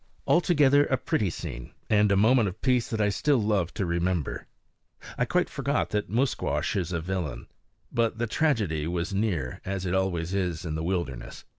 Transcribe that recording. Altogether a pretty scene, and a moment of peace that I still love to remember. I quite forgot that Musquash is a villain. But the tragedy was near, as it always is in the wilderness.